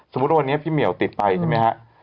ว่าวันนี้พี่เหมียวติดไปใช่ไหมฮะ